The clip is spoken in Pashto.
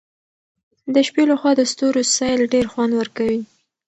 د شپې له خوا د ستورو سیل ډېر خوند ورکوي.